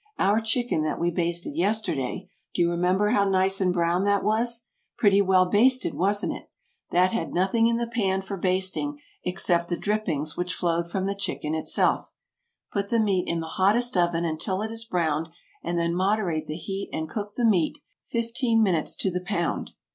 Our chicken that we basted yesterday, do you remember how nice and brown that was? Pretty well basted, wasn't it? That had nothing in the pan for basting except the drippings which flowed from the chicken itself. Put the meat in the hottest oven until it is browned, and then moderate the heat and cook the meat fifteen minutes to the pound.